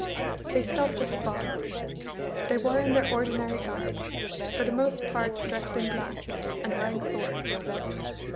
They stopped at the bar. They were in their ordinary garb; for the most part dressed in black, and wearing swords.